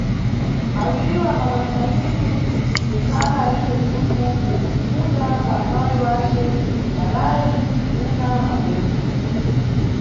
Awiriwa ambakwanisa lini kukhala alibe dhuku, kumunda kwa mayi wace Nyarayi kuna mabvembe.